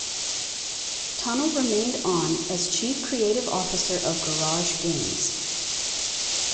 Tunnell remained on as Chief Creative Officer of GarageGames.